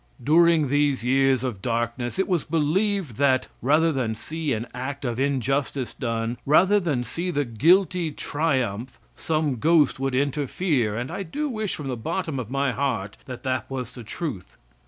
During these years of darkness it was believed that, rather than see an act of injustice done, rather than see the guilty triumph, some ghost would interfere and I do wish, from the bottom of my heart, that that was the truth.